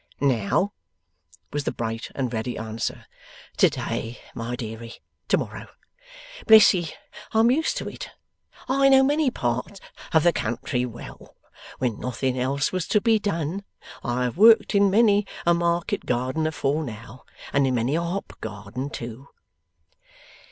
'Now,' was the bright and ready answer. 'To day, my deary, to morrow. Bless ye, I am used to it. I know many parts of the country well. When nothing else was to be done, I have worked in many a market garden afore now, and in many a hop garden too.